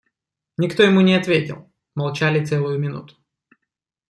Никто ему не ответил; молчали целую минуту.